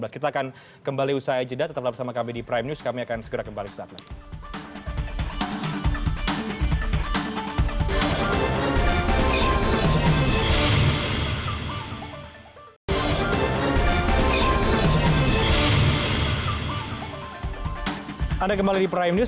kita akan kembali usai jeda tetap bersama kami di prime news